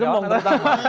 mas gembong pertama